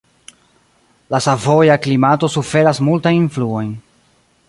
La savoja klimato suferas multajn influojn.